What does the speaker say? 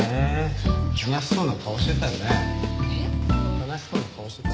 悲しそうな顔してた。